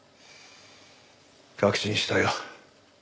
確信したよ。